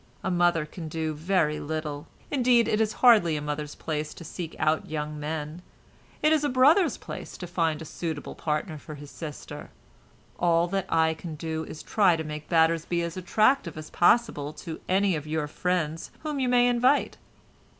A mother can do very little—indeed, it is hardly a mother's place to seek out young men; it is a brother's place to find a suitable partner for his sister; all that I can do is to try to make Battersby as attractive as possible to any of your friends whom you may invite.